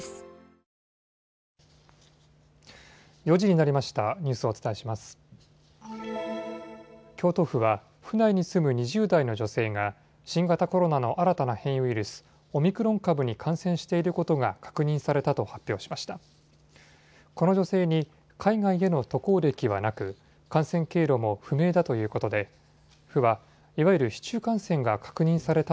京都府は府内に住む２０代の女性が新型コロナの新たな変異ウイルス、オミクロン株に感染していることが確認されたと発表しました。